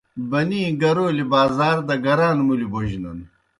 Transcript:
بَنِی گَرَولیْ بازار دہ گران مُلیْ بوجنَن۔